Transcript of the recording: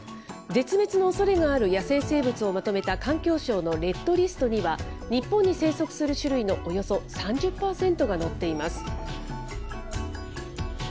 絶滅のおそれがある野生生物をまとめた環境省のレッドリストには、日本に生息する種類のおよそ３０％が載っています。